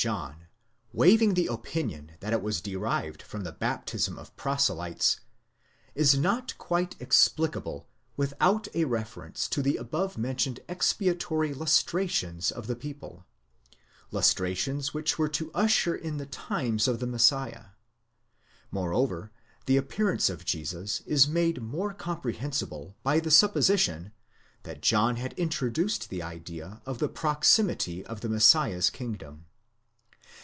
John, waiving the opinion that it was derived from the baptism of proselytes, is not quite explicable without a reference to the above mentioned expiatory lustrations of the people—lustrations which were to usher in the times of the Messiah ; moreover, the appearance of Jesus is made more comprehensible by the supposition, that John had introduced the idea of the proximity of the Messiah's kingdom.